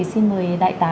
xin mời đại tá